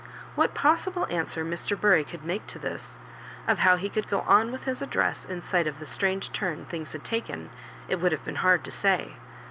What possible answer Mr. Bury could make to this, or how he could go on with his address in sight of the strange turn things had taken, it would have been hard to say.